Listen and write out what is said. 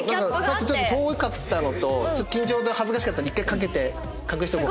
さっきちょっと遠かったのと緊張と恥ずかしかったので１回かけて隠しとこうかな。